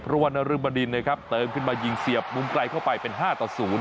เพราะว่านรึบดินนะครับเติมขึ้นมายิงเสียบมุมไกลเข้าไปเป็น๕ต่อ๐